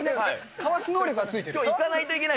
かわす能力がついてる。